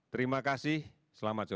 terima kasih selamat sore